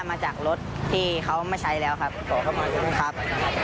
มาจากรถที่เขามาใช้แล้วครับครับ